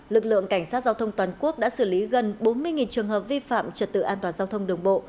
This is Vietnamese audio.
lực lượng cảnh sát giao thông toàn quốc đã xử lý gần bốn mươi trường hợp vi phạm trật tự an toàn giao thông đường bộ